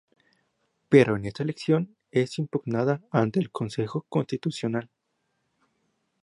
Pero esta elección es impugnada ante el Consejo Constitucional.